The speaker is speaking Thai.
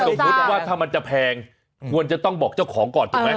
สมมุติว่าถ้ามันจะแพงควรจะต้องบอกเจ้าของก่อนถูกไหม